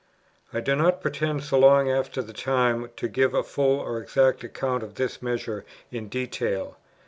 I do not pretend, so long after the time, to give a full or exact account of this measure in detail.